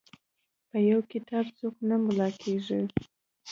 په یو کتاب څوک نه ملا کیږي.